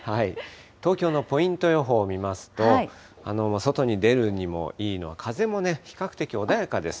東京のポイント予報を見ますと、外に出るにもいいの、風もね、比較的穏やかです。